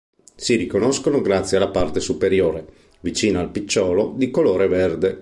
Si riconoscono grazie alla parte superiore, vicina al picciolo, di colore verde.